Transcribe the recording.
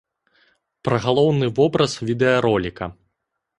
Пра галоўны вобраз відэароліка.